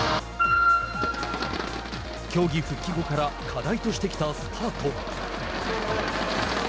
競技復帰後から課題としてきたスタート。